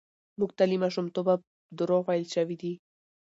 موږ ته له ماشومتوبه دروغ ويل شوي دي.